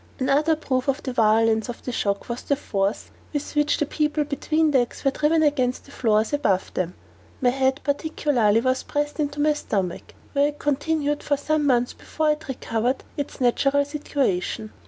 Another proof of the violence of the shock was the force with which the people between decks were driven against the floors above them; my head particularly was pressed into my stomach, where it continued some months before it recovered its natural situation.